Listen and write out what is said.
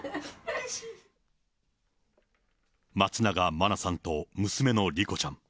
松永真菜さんと娘の莉子ちゃん。